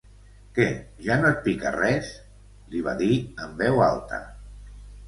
Què, ja no et pica res? —li va dir en veu alta.